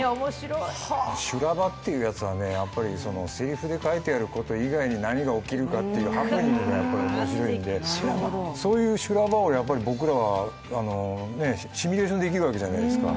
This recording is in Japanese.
修羅場ってやつは、せりふに書いてあるほかに何が起きるかというハプニングが面白いんでそういうハプニングを僕らはシミュレーションできるわけじゃないですか。